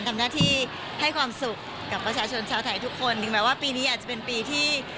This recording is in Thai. ทำหน้าที่ให้ความสุขกับประชาชนชาวไทยทุกคนถึงแม้ว่าปีนี้อาจจะเป็นปีที่